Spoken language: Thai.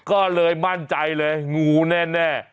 ก็เลยมั่นใจเลยงูแน่